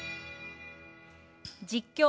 「実況！